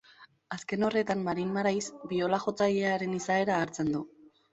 Azken horretan, Marin Marais biola-jotzailearen izaera agertzen du.